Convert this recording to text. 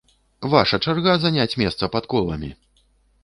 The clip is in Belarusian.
Ваша чарга заняць месца пад коламі!